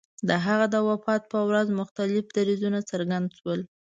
د هغه د وفات په ورځ مختلف دریځونه څرګند شول.